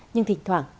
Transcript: nhưng thỉnh thoảng